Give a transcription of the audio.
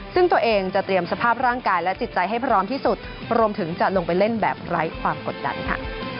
ซึ่งตัวเองจะเตรียมสภาพร่างกายและจิตใจให้พร้อมที่สุดรวมถึงจะลงไปเล่นแบบไร้ความกดดันค่ะ